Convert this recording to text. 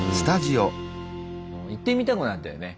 行ってみたくなったよね。